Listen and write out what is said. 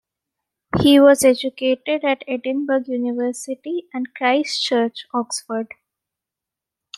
He was educated at Edinburgh University and Christ Church, Oxford.